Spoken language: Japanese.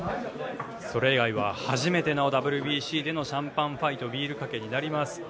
それ以外は初めてのＷＢＣでのシャンパンファイトビールかけになります。